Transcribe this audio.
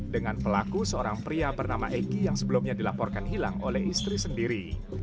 dengan pelaku seorang pria bernama egy yang sebelumnya dilaporkan hilang oleh istri sendiri